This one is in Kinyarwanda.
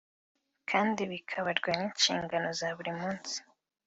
kandi bikabarwa nk’inshingano za buri munsi